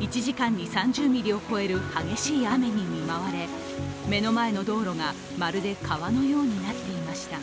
１時間に３０ミリを超える激しい雨に見舞われ目の前の道路がまるで川のようになっていました。